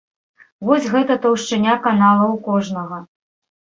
Вось гэта таўшчыня канала ў кожнага!